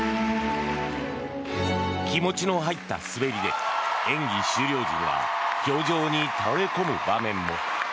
気持ちの入った滑りで演技終了時には氷上に倒れ込む場面も。